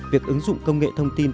việc ứng dụng công nghệ thông tin